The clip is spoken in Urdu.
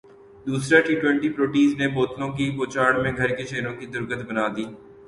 دوسرا ٹی ٹوئنٹی پروٹیز نے بوتلوں کی بوچھاڑمیں گھر کے شیروں کی درگت بنادی